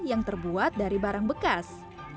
yang terbuat dari barang bekas